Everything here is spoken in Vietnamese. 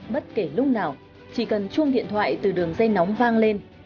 bất kể lúc nào chỉ cần chuông điện thoại từ đường dây nóng vang lên